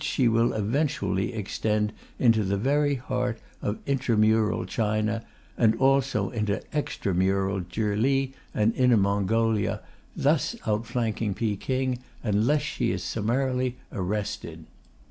she will eventually extend into the very heart of intramural China ... and also into extramural Chihli and Inner Mongolia (thus outflanking Peking) unless she is summarily arrested.